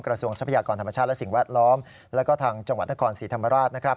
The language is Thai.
ทรัพยากรธรรมชาติและสิ่งแวดล้อมแล้วก็ทางจังหวัดนครศรีธรรมราชนะครับ